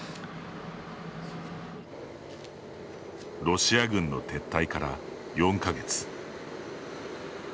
ロシア軍の撤退から４か月。